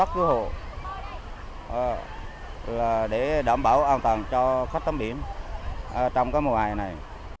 cứu hộ là để đảm bảo an toàn cho khách tắm biển trong cái mùa hè này